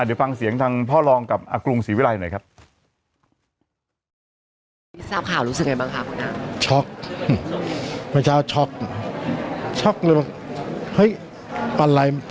เดี๋ยวฟังเสียงทางพ่อรองกับอากรุงศรีวิรัยหน่อยครับ